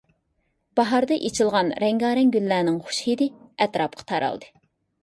باھاردا ئېچىلغان رەڭگارەڭ گۈللەرنىڭ خۇش ھىدى ئەتراپقا تارالدى.